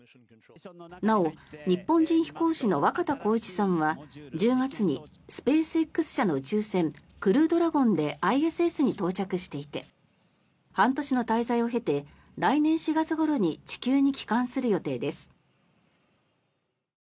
なお、日本人飛行士の若田光一さんは１０月にスペースＸ社の宇宙船クルードラゴンでＩＳＳに到着していて半年の滞在を経て来年４月ごろに地球に帰還する予定です。